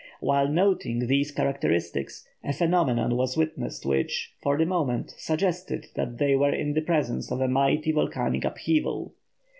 While noting these characteristics, a phenomenon was witnessed which, for the moment, suggested that they were in the presence of a mighty volcanic upheaval.